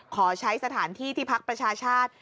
ขอใช้สถานที่ที่พักประชาชาติ